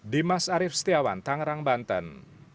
dimas arief setiawan tangerang banten